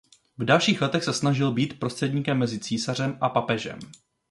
V dalších letech se snažil být prostředníkem mezi císařem a papežem.